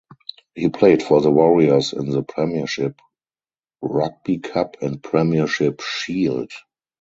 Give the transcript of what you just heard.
He played for the Warriors in the Premiership Rugby Cup and Premiership Shield.